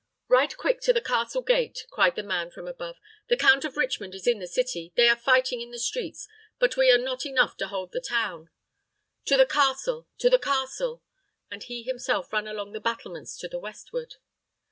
"Ride quick to the castle gate!" cried the man from above. "The Count of Richmond is in the city. They are fighting in the streets; but we are not enough to hold the town. To the castle to the castle!" and he himself ran along the battlements to the westward.